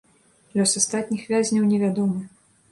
Лёс астатніх вязняў невядомы.